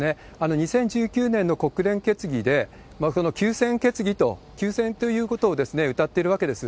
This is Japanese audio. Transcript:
２０１９年の国連決議で、休戦決議と、休戦ということをうたっているわけです。